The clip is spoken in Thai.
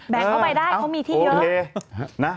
เข้าไปได้เขามีที่เยอะ